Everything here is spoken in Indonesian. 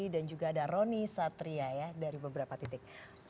dan juga ada roni satria ya dari beberapa titik